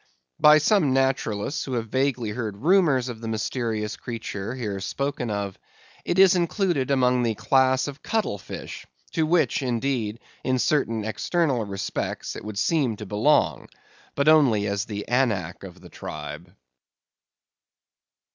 By some naturalists who have vaguely heard rumors of the mysterious creature, here spoken of, it is included among the class of cuttle fish, to which, indeed, in certain external respects it would seem to belong, but only as the Anak of the tribe.